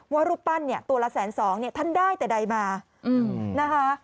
รูปปั้นเนี่ยตัวละแสนสองเนี่ยท่านได้แต่ใดมานะคะ